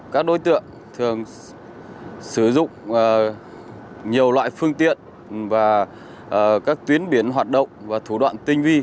các đối tượng thường sử dụng nhiều loại phương tiện và các tuyến biển hoạt động và thủ đoạn tinh vi